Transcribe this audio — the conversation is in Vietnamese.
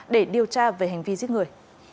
để điều tra về hành vi giết người